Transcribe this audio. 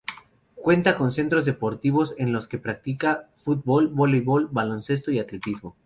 Cuenta con centros deportivos, en los que se practica: fútbol, voleibol, baloncesto y atletismo.